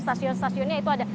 stasiun stasiunnya itu ada